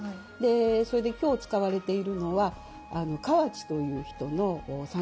それで今日使われているのは河内という人の三光尉。